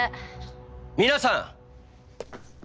皆さん！